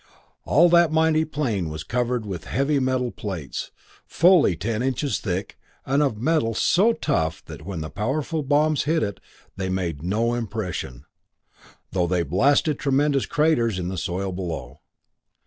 All that mighty plane was covered with heavy metal plates, fully ten inches thick, and of metal so tough that when the powerful bombs hit it they made no impression, though they blasted tremendous craters in the soil below.